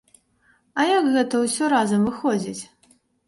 А як гэта ўсё разам выходзіць?